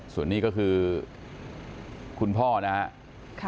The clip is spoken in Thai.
ส่วนนี้ก็คือคุณพ่อนะครับ